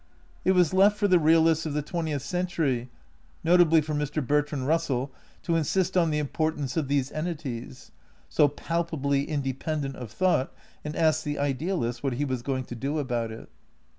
It was left for the realists of the twentieth cen tury, notably for Mr. Bertrand Russell, to insist on the importance of these entities, so palpably independ ent of thought, and ask the idealist what he was going to do about it.